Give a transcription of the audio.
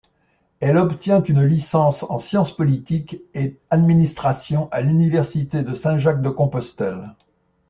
Elle obtient une licence en sciences politiques et administration à l'Université de Saint-Jacques-de-Compostelle.